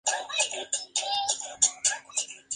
Trabaja fundamentalmente para el mercado estadounidense.